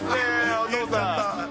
お父さん。